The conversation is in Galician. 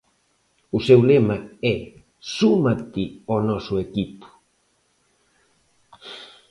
O seu lema é Súmate ao noso equipo.